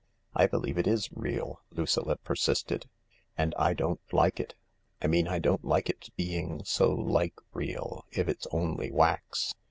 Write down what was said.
" I believe it is real," Lucilla persisted, " and I don't like it. I mean I don't like its being so like real if it's only wax.